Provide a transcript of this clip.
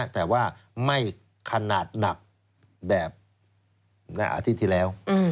แต่ว่าไม่ขนาดหนักแบบอาทิตย์ที่แล้ว